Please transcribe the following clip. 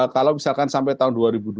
kalau misalkan sampai tahun dua ribu dua puluh